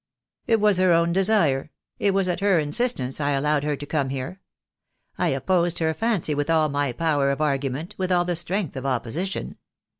"It was her own desire — it was at her insistance I allowed her to come here. I opposed her fancy with all my power of argument, with all the strength of opposition.